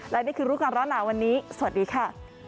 และนี่คือรู้ก่อนร้อนหนาวันนี้สวัสดีค่ะ